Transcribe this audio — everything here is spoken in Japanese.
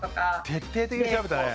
徹底的に調べたね。